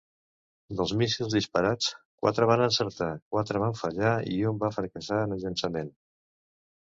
Dels míssils disparats, quatre van encertar, quatre van fallar i un va fracassar en el llançament.